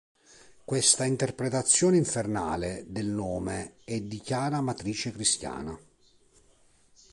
Questa interpretazione "infernale" del nome è di chiara matrice cristiana.